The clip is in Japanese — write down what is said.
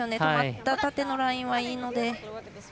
止まった、縦のラインはいいので。